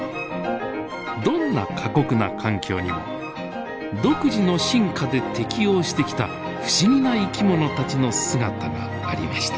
どんな過酷な環境にも独自の進化で適応してきた不思議な生き物たちの姿がありました。